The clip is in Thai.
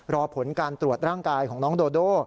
รอผลการตรวจร่างกายของน้องโดโด